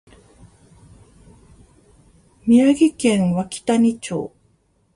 宮城県涌谷町